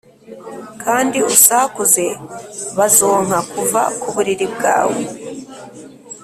kandi usakuze bazonka! kuva ku buriri bwawe